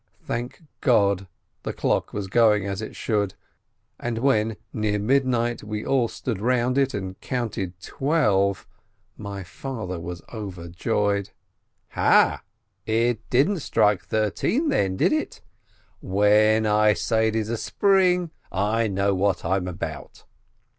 Thank God, the clock was going as it should, and when, near midnight, we all stood round it and counted twelve, my father was overjoyed. "Ha? It didn't strike thirteen then, did it? When I say it is a spring, I know what I'm about."